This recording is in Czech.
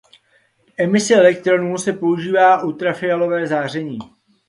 K emisi elektronů se používá ultrafialové záření.